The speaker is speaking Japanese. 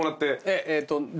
えっと。